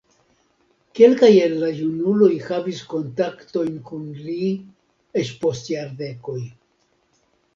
Kelkaj el la junuloj havis kontaktojn kun li eĉ post jardekoj.